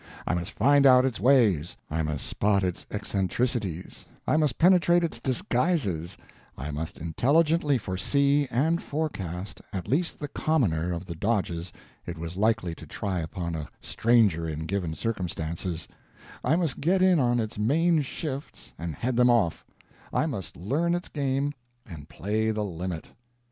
I must find out its ways, I must spot its eccentricities, I must penetrate its disguises, I must intelligently foresee and forecast at least the commoner of the dodges it was likely to try upon a stranger in given circumstances, I must get in on its main shifts and head them off, I must learn its game and play the limit.